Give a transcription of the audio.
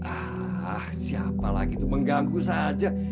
ah siapa lagi tuh mengganggu saja